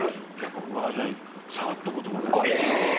僕、マージャン触ったこともない。